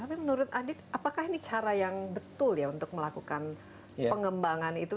tapi menurut adit apakah ini cara yang betul ya untuk melakukan pengembangan itu